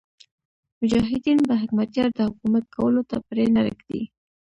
مجاهدین به حکمتیار ته حکومت کولو ته پرې نه ږدي.